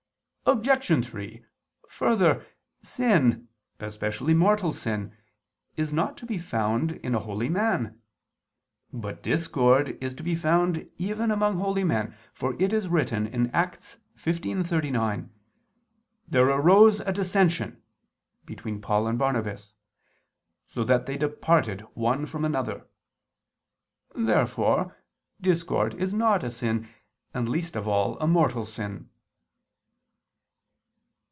Obj. 3: Further, sin, especially mortal sin, is not to be found in a holy man. But discord is to be found even among holy men, for it is written (Acts 15:39): "There arose a dissension" between Paul and Barnabas, "so that they departed one from another." Therefore discord is not a sin, and least of all a mortal sin.